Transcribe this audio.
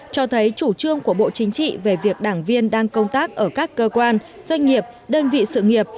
cho thấy chủ trương của bộ chính trị về việc đảng viên đang công tác ở các cơ quan doanh nghiệp đơn vị sự nghiệp